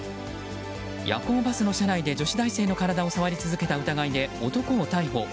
夜行バスの車内で女子大生の体を触り続けた疑いで男を逮捕。